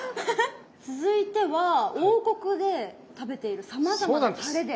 続いては王国で食べているさまざまなたれで。